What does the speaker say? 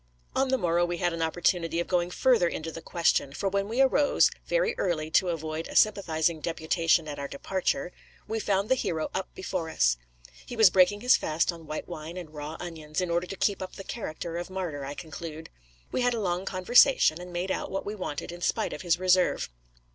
On the morrow we had an opportunity of going further into the question; for when we rose very early to avoid a sympathising deputation at our departure, we found the hero up before us. He was breaking his fast on white wine and raw onions, in order to keep up the character of martyr, I conclude. We had a long conversation, and made out what we wanted in spite of his reserve.